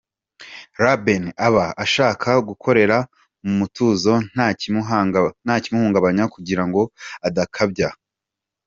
Luben aba ashaka gukorera mu mutuzo nta kimuhungabanya kugira ngo adakabya kugaragaza ibyiyumviro bye.